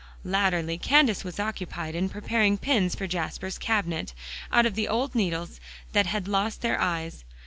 Latterly Candace was occupied in preparing pins for Jasper's cabinet, out of old needles that had lost their eyes.